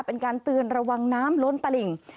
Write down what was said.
เป็นการเตือนระวังน้ำล้นตลิ่ง